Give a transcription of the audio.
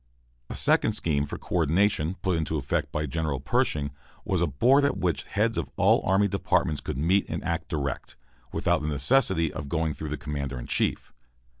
A second scheme for co ordination put into effect by General Pershing was a board at which heads of all army departments could meet and act direct, without the necessity of going through the commander in chief.